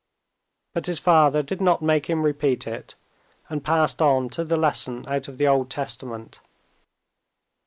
But his father did not make him repeat it, and passed on to the lesson out of the Old Testament.